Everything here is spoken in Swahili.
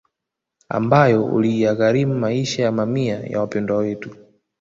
Ambao uliyagharimu maisha ya mamia ya Wapendwa Wetu